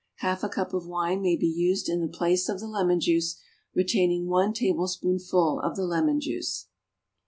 Half a cup of wine may be used in the place of the lemon juice, retaining one tablespoonful of the lemon juice.